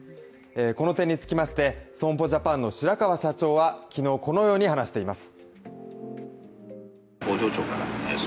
この点につきまして損保ジャパンの白川社長は昨日、このように話しています。